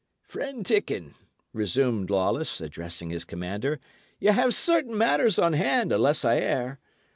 "Friend Dickon," resumed Lawless, addressing his commander, "ye have certain matters on hand, unless I err?